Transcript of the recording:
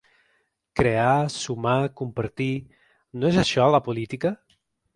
Crear, sumar compartir… No és això la política?